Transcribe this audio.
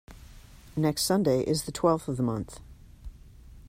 Next Sunday is the twelfth of the month.